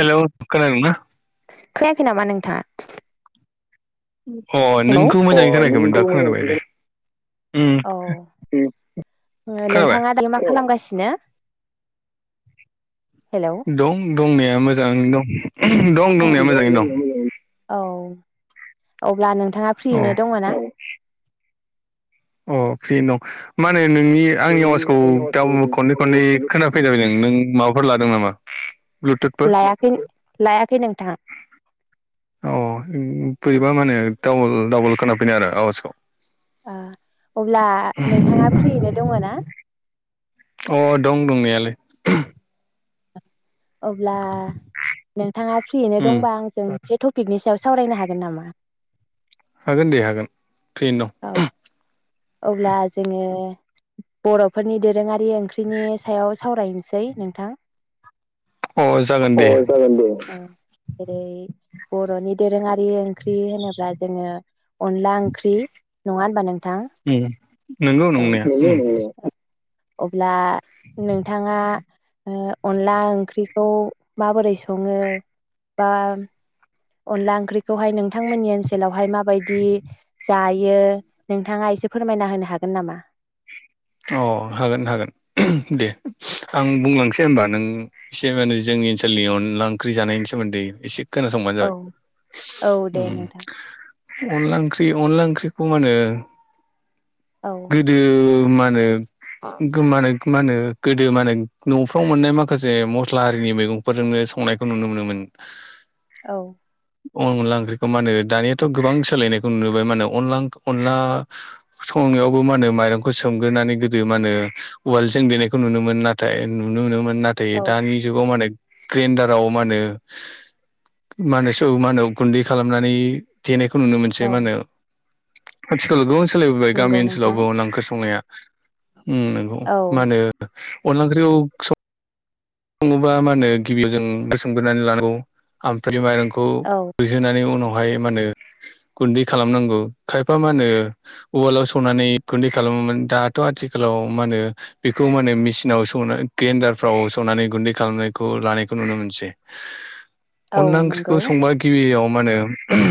हेल खोनादोंना? था [unintelligible] अ हेल नों नोंखौ मोजाङै खोनायाखैमोन दा नोंनिखौ खोनाबाय दे मोजां [unintelligible] उम औ खोनाबाय नोंथाङा दायो मा खालामगासिनो? हेलौ दं दंनाया मोजाङैनो दं दं दंनाया मोजाङैनो दं। औ अब्ला नोंथाङा औ फ्रिनो दङ ना? अ फ्रियै नो दं माने नोंनि आंनि आवाजखौ ग खननै खनै खोनाफै जाबाय नों नों माबाफोर लादो। दं नामा। ब्लुथुथफोर लायाखै लायाखै नोंथाङा। औ बोरैबा माने डाबल डाबल खानाफैदोआरो आवाजखौ। अब्ला नोंथाङा फ्रिनो दङ ना? अ दं दंनायालाय। अब्ला नोंथाङा फ्रियैनो उम दंबा आंजों। बे टपिकनि सायाव सावरायनो हागोन नामा? हागोन दे हागोन फ्रियैनो औ दं। अब्ला जोङो बर'फोरनि दोरोङारि ओंख्रिनि सायाव सावरायनोसै नोंथां। दं जागोन अ दे जागोन दे। बर'नि दोरोङारि ओंख्रि होनोब्ला जोङो अनला ओंख्रि नङा होनबा नोंथां उम नंगौ नंनाया औ। उम अब्ला नोंथाङा अनला ओंख्रिखौ माबोरै सङो बा अनला ओंख्रिखौहाय नोंथांमोननि ओनसोलावहाय बेावहाय माबायदि जायो नोंथाङा एसे फोरमायना होनो हागोन नामा? अ हागोन हागोन दे आं बुंलांसै होमबा नों एसे माने जों नि ओनसोलनि अनला ओंख्रि जानायनि सोमोन्दै एसे खोनासंबानो औ जाबाय औ दे उम। नोंथां अनला ओंख्रि अनला ओंख्रिखौ मा होनो औ गोदो नो गोमानायखौ मा होनो गोदो माने न'फ्राव मोननाय माखासे मसला हारिनि मैगंफोरजोंनो संनायखौ नुनो मोनोमोन। औ। अन अनला ओंख्रिखौ मा होनो दानियाथ' गोबां सोलायनायखौ नुुबाय मा होनो अनलां अनला सं संयावबो मा होनो माइरंखौ सोम नानै गोदो मा होनो उवाल जों देनायखौ नुनो मोन नाथाय नुनो मोनो मोन नाथाय औ दानि जुगाव मा होनो ग्रेन्दाराव मा होनो मा होनो सो मा होनो गुन्दै खालामनानै जेने खौ नुनो मोनसै औ मा होनो आथिखालाव गोबां सोलायबोबाय गामि नंगौ नोंथां ओनसोलावबो ओंख्रि संनाया। उम नोंगौ औ मा होनो अनला ओंख्रिखौ सो सङोबा मा होनो गिबियाव जों गो सोमगोरनानै लानांगौ आमफाह माइरं खौ औ रुइहोनानै उनावहाय मा होनो गुन्दै खालामनांगौ खायफा मा होनो उवालाव सौनानै गुन्दै खालामोमोन दाथ' आथि खालाव मा होनो बेखौ मा होनो मेसिनाव सौनानै ग्रेन्दारफ्राव स सौनानै गुन्दै खालामनायखौ लानायखौ नुनो मोनसै औ अनला ओंख्रिखौ नंगौ संबा गिबियाव मा होनो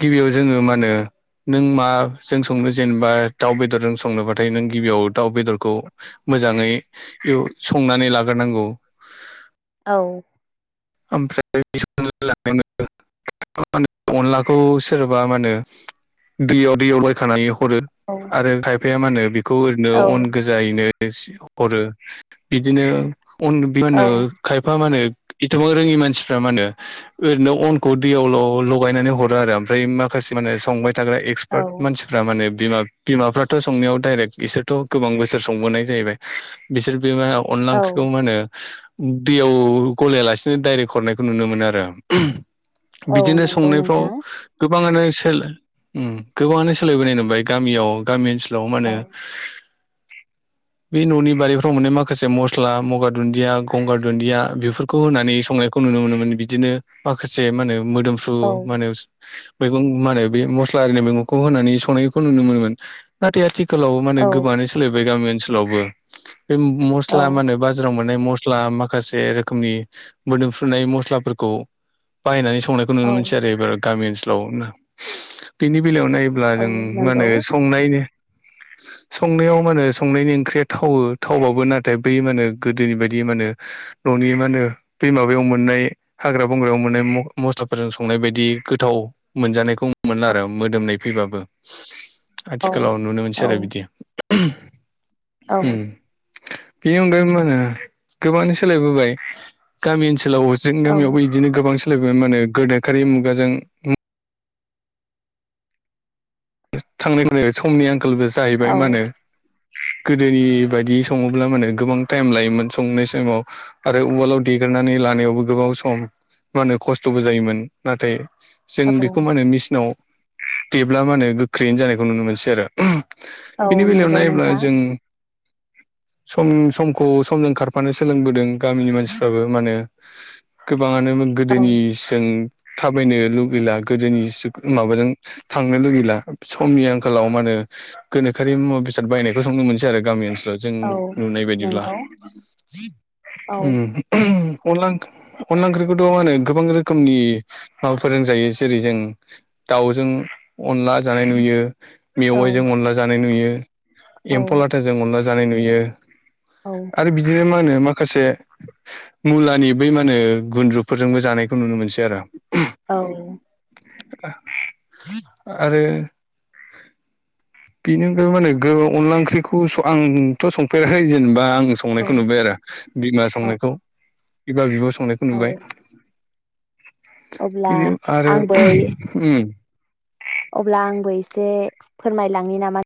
गिबियाव जोङो मा होनो नों मा जों संनो जेनेबा दाउ बेदरजों संनो बाथाय नों गिबियाव दाउ बेदरखौ मोजाङै बेव संनानै लाग्रोनांगौ औ। ओमफ्राय [unintelligible] [unintelligible] अनलाखौ सोरबा मा होनो दैयाव दैयाव बायखानानेव हरो औ आरो खायफाया मा होनो बेखौ ओरैनो औ अन गोजायैनो [unintelligible] हरो बिदिनो अन मा होनो औ खायफा मा होनो इथ'बां रोङि मानसिफ्रा मा होनो ओरैनो अनखौ दैयाव ल-लगायनानै हरो आरो ओमफ्राय माखासे मा होनो संबाय थाग्रा औ एक्सपार्ट मानसिफ्रा मा होनो बिमा बिमाफ्राथ' संनायाव दडाइरेक्ट इसोरथ' गोबां बोसोर संबोनाय जाहैबाय बिसोर बे मा अनला औ ओंख्रिखौ मा होनो दैयाव गलायालासेनो डायरेक्ट हरनायखौ नुनो मोनो आरो औ बिदिनो नंगौ संनायफ्राव नोंथां गो बाङानो सोल उम गोबाङानो सोलायबोनाय नुबाय गामियाव गामि ओनसो लाव मा होनो औ बे न'नि बारिफ्राव मोननाय माखासे मसला मगा दुन्दिया गंगार दुन्दिया बेफोरखौ होनानै संनायखौ नुनो मोनोमोन बिदिनो माखासे मा होनो मोदोमफ्रु औ मा होनो मैगं मा होनो बै मस्ला आरिनि मैगंखौ होनानै संनायखौ नुनो मोनोमोन नाथाय आथि खालाव मा होनो औ गोबाङानो सोलायबाय गामि ओनसोलावबो बे औ मस्ला मा होनो बाजाराव मोन नाय मसला माखासे रोखोमनि मोदोमफ्रुनाय मसलाफोरखौ बायनानै सं संनायखौ औ नुनो मोनसै आरो एबार गामि ओनसोलाव बिनि बिलायाव नायोब्ला औ जों मा नंगौ होनो संनाय संनायाव मा होनो संनायनि ओंख्रिया थावो थावबाबो नाथाय बै मा होनो गोदोनि बायदि मा होनो न'नि मा होनो बे माबायाव मोननाय हाग्रा बंग्रायाव मोननाय मख-मस्लाफोरजों संनाय बायदि गोथाव मोनजानायखौ मोनला आरो मोदोमनाय फैबाबो। औ आथिखालाव नुनो औ मोनसै आरो बिदि। औ उम। बेनि अनगायै मा होनो गोबाङानो सोलायबोबाय गामि ओनसो सोलाव जों गामियावबो इदिनो गोबां सोलायबोबाय मा होनो गोदो खारै मुगाजों थांनाय [unintelligible] समनि आंखालबो जाहैबाय औ मा होनो गोदोनि बायदि सङोब्ला मा होनो गोबां टाइम लायोमोन संनाय सायमाव आरो उवालाव देग्रा खारनानै लानायावबो गोबाव सम मा होनो खस्थ'बो जायोमोन नाथाय जों औ बेखौ माने मेसिनाव देब्ला म होने गोख्रैयैनो जानायखौ नुनो मोनसै आरो औ बेनि बेलायाव नंगौ नायोब्ला नोंथां जों सम समखौ समजों खारफानो सोलोंबोदों गामिनि मानसिफ्राबो माने गोबाङानो औ गोदोनि जों थाबायनो लुगैला गोदोनि माबाजों थांनो लुगैला समनि आंखालाव माने गोनोखोआरि मुवा बेसाद बायनायखौ नुनो मोनसै आरो गामि ओनसोलाव जों औ नुनाय बायदिब्ला नंगौ औ उम अनला अनला ओंख्रि खौथ' मा होनो गोबां रोखोमनि माबा फोरोंजायो जेरै जों दाउजों अनला जानाय नुयो औ मेवाइजों अनला जानाय नुयो औ एम्फौ लाथाजों अनला जानाय नुयो आरो बिदिनो मा होनो माखासे मुलानि बै मा होनो गुन्द्रुफोरजोंबो जानायखौ नुनो मोनसै आरो औ आरो बेनि अनगा माहोनो अनला ओंख्रिखौ आंथ' संफेराखै जेनेबा आं संनायखौ औ नुबाय आरो बिमा संनायखौ बिमा बिब' संनायखौ नुबाय अब्ला बिनि आरो आंबो उम अब्ला आंबो एसे फोरमायलांनि नामा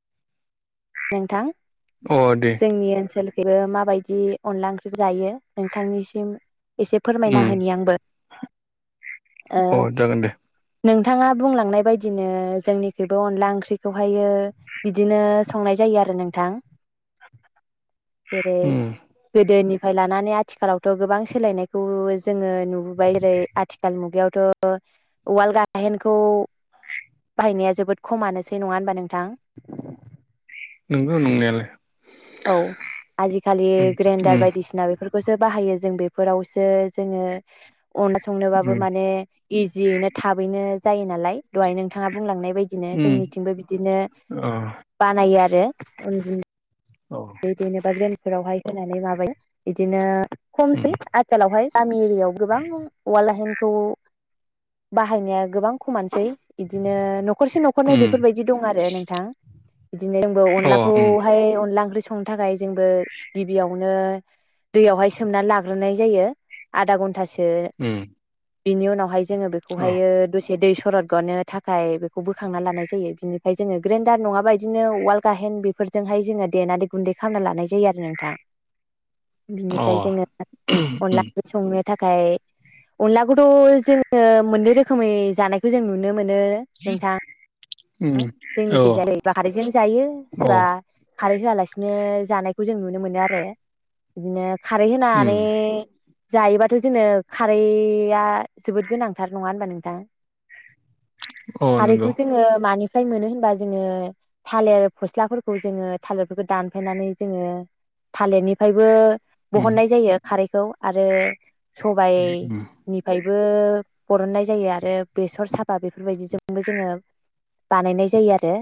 नोंथां अ दे जोंनि ओनसोल बेबो माबायदि अनला ओंख्रि जायो नोंथांनिसिम एसे उम फोरमायना होनि आंबो ओ अ जागोन दे नोंथाङा बुंलांनाय बायदिनो जोंनिखिबो अनला ओंख्रिखौहायो बिदिनो संनाय जायो आरो नोंथां जेरै उम गोदोनि फ्राय लानानै आथिखालावथ' गोबां सोलायनायखौ जोङो नुबोबाय जेरै आथिखाल मुगायावथ' उवाल गाहेइन खौ बाहायनाया जोबोद खमानोसै नङा होमबा नोंथां नंगौ नंनायालाय औ आजिखालि ग्राइनडार उम बायदिसिना बेफोरखौ सो बाहायो जों बेफोरावसो जोङो अनला संनोबाबो उम माने इजियैनो थाबैनो जायो नालाय दहाय नोंथाङा बुंलांनाय बबायदिनो उम जोंनिथिंबो बिदिनो अ बानायो आरो औ बे जेननोबा ग्रेनफोरावहाय होनानै माबायो बिदिनो खमसै उम आथिखालावहाय गामि एरियाव गोबां उवाल गाहेइनखौ बाहायनाया गोबां खमानोसै इदिनो न'खरसे न'खरनै उम बेफोरबायदि दं आरो नोंथां बिदिनो जोंबो अ उम अनलाखौहाय अनला ओंख्रि संनो थाखाय जोंबो गिबियावनो दैयावहाय सोमनानै लाग्रोनाय जायो आधा घन्टासो सो उम बिनि उनावहाय जोङो अ बेखौहायो दसे दै सरद गनो थाखाय बेखौ बोखांना लानाय जायो बिनिफ्राय जोङो ग्राइन्डार नङाबा बिदिनो उवाल गाहेइन बेफोर जोंहाय जोंङो देनानै गुन्दै खालामना लानाय जायो आरो नोंथां अ बिनिफ्राय जोङो उम अनला ओंख्रि संनो थाखाय अनलाखौथ' जोङो मोननै रोखोमै जानायखौ जों नुनो मोनो नों नोंथां उम अ जोंनिखै जायो खारैजों जायो अ सोरबा खारै होआलासिनो जानायखौ जों नुनो मोनो आरो बिदिनो खारै होनानै उम जायोबाथ' जोंङो खारैया जोबोद गोनांथार नङा होनबा नोंथां अ खारैखौ नंगौ जोङो मानिफ्राय मोनो होनबा जोङो थालिर फस्लाफोरखौ जोङो थालिरफोरखौ दानफायनानै जोङो थालिरनिफ्रायबो उम बहननाय जायो खारैखौ आरो सबाइ उम निफायबो ओ बरननाय जायो आरो बेसर साबा बेफोरबायदिजोंबो जोङो बानायनाय जायो आरो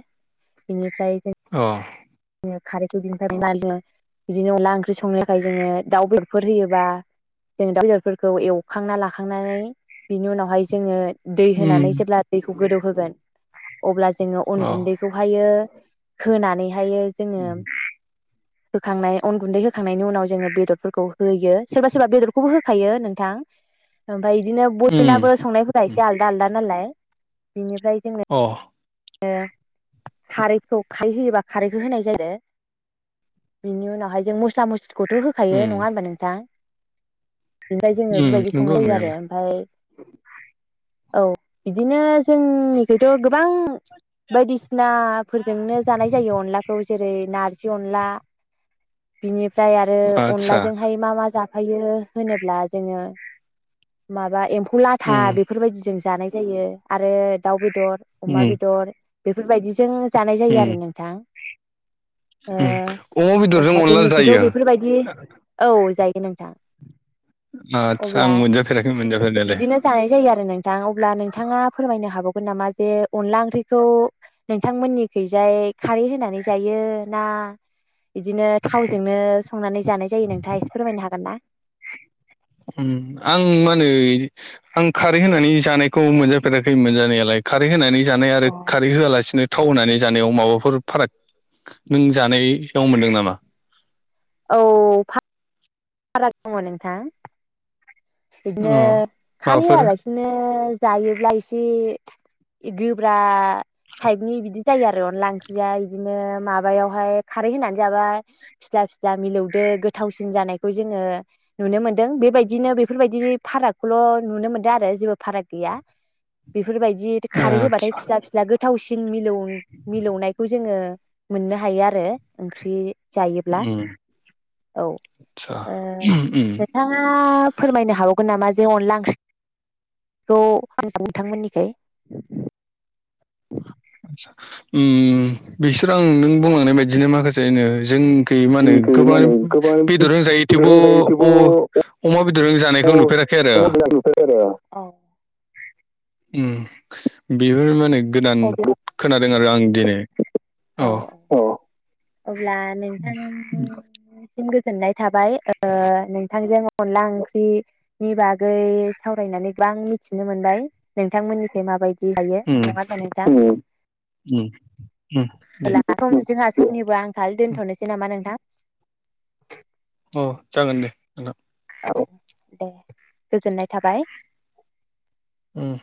बेनिफ्राय अ जों खारैखौ बिनिफ्राय अनला ओंख्रि संनो थाखाय जोङो दाउ बेदर फोर होयोबा जों दाउ बेदरफोरखौ एवखांना लाखांनानै बिनि उनावहाय जोङो दै होनानै उम अ उम जेब्ला दैखौ गोदौहोगोन अब्ला जोङो अन अ गुन्दैखौहायो होनानैहाययो जोङो उम होखांनाय अन गुन्दै होखांनायनि उनाव जोङो बेदरफोरखौ होयो सोरबा सोरबा बेदरखौबो होखायो नोंथां ओमफ्राय बिदिनो बयनाबो संनायफोरा एसे आलदा आलदा नालाय बिनिफ्राय जोङो ङो खारैखौ खारै होयोबा खारैखौ होनाय जायो आरो बिनि उनावहाय जों मस्ला मस्लिखौथ' होखायो नङा उम होमबा नोंथां? बेनिफ्राय जोङो नंगौ नंनायालाय बेबायदि संनाय जायो आरो ओमफ्राय औ बिदिनो जोंनिखौथ' गोबां बायदिसि नाफोरजोंनो जानाय जायो अनलाखौ जेरै नारजि अनला बिनि फ्राय आरो आदसा अनलाजोंहाय मा मा जा ओमफायो होनोब्ला जोङो माबा एम्फौ लाथा उम बेफोरबायदिजों जानाय जायो आरो दाउ बेदर अमा उम बे बेफोरबायदिजों जानाय जायो उम आरो नोंथां उम अमा बेदरजों अनला [unintelligible] जायो बेफोरबायदि औ जाय नोंथां आदसा अब्ला आं मोनजाफेराखै [unintelligible] मोनजाफेरनायालाय बिदिनो जानाय जायो आरो नोंथां अब्ला नोंथाङा फोरमायनो हाबावगोन नामा जे अनला ओं ओंख्रिखौ नोंथांमोननिखैजाय खारै होनानै जायो ना बिदिनो थावजोंनो संनानै जानाय जायो नोंथाङा एसे फोरमायनो हागोन ना? उम आं मा होनो आं खारै होनानै जानायखौ मोनजाफेराखै मोनजानायालाय खारै होनानै जानाय आरो खारै होआलासिनो थाव होनानै जानायाव माबाफोर फाराग नों जानाय याव मोनदों नामा? औ फा राग दङ नोंथां बिदिनो अ खारै माबाफोर होआलासिनो जायोब्ला एसे गोब्रा टाइपनि बिदि जायो आरो अनला ओंख्रिया बिदिनो माबायावहाय खारै होनानै जाबा फिस्ला स्ला मिलौदो गोथावसिन जानायखौ जोङो नुनो मोनदों बेबायदिनो बेफो बेफोरबायदि फारागखौल' नुनो मोनदों आरो जेबो फाराग गैया बेफोरबायदि खारै होबाथाय आदसा फिस्ला फिस्ला गोथ गोथावसिन मिलौ मिलौनायखौ जोङो मोननो हायो आरो ओंख्रि जायोब्ला उम औ आदसा उम नोंथाङा नो हावगोन नामा जे अनला ओंख्रि बेखौ [unintelligible] नोंथांमोननिखै ओम बिसोर आं नों बुंलांनाय बायदिनो माखासेनो जों गै मा होनो जोंनिखै गोबां माने गोबां बेदरजों जायो बेदर थेवबो होनजायो थेवबो अ-अमा बेदरजों जानायखौ नुफेराखै आरो [unintelligible] [inaudible] उम बेफोर माने गोदान अब्ला खोनादों आरो आं दिनै अ औ औ अह अब्ला नोंथां नि सिम गोजोननाय थाबाय नोंथांजों अनला ओंख्रि नि बागै सावरायनानै गोबां मिथिनो मोनबाय नोंथांमोननिथिं माबायदि जायो उम नङा होनबा नोंथां उम उम उम दे [unintelligible] जोंहा समनिबो आंखाल उम दोनथ'नोसै नामा नोंथां? औ जागोन दे नोंथां औ दे गोजोननाय थाबाय उम